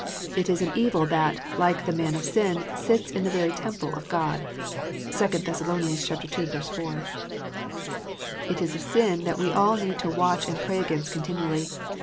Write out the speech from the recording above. It is an evil that, like the man of sin, " sits in the very temple of God." (2 Thess. ii. 4.) It is a sin that we all need to watch and pray against continually.